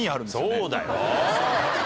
そうだよ！